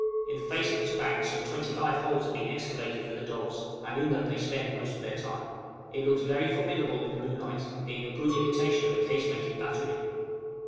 In the face of this bank some twenty five holes have been excavated for the dogs, and in them they spend most of their time. It looks very formidable in the moonlight, being a good imitation of a casemated battery.